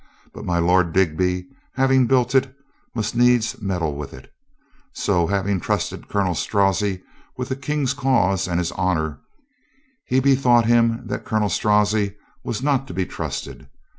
But my Lord Digby, having built it, must needs meddle with it. So having trusted Colonel Strozzi with the King's cause and his honor, he be thought him that Colonel Strozzi was not to be trusted.